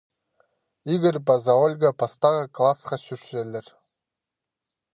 Игорь паза Ольга пастағы классха чӧрчелер.